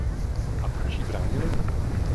A proč jí bránili?